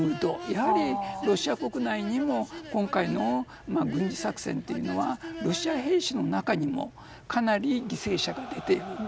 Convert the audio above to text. やはり、ロシア国内にも今回の軍事作戦というのはロシア兵士の中にもかなり犠牲者が出ている。